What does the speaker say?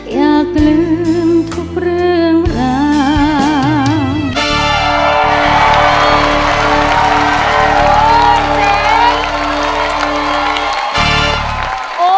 อย่าลืมทุกเรื่องราว